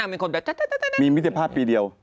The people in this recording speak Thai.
มีมิตรภาพปีเดียว